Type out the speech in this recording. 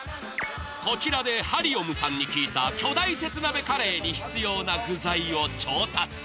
こちらでハリオムさんに聞いた巨大鉄鍋カレーに必要な具材を調達。